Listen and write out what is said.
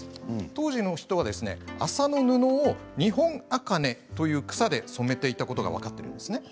当時の人は麻の布をニホンアカネという草で染めていたことが分かっています。